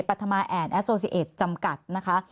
ปัฏมาแอร์แอสโซเซียตจำกัดนะคะ